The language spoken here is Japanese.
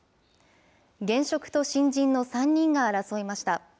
現職と新人の３人が争いました。